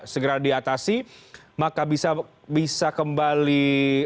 segera diatasi maka bisa kembali